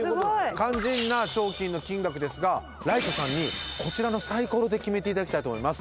肝心な賞金の金額ですがライトさんにこちらのサイコロで決めていただきたいと思います